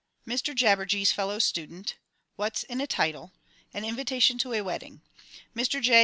XIV _Mr Jabberjee's fellow student. What's in a Title? An invitation to a Wedding. Mr J.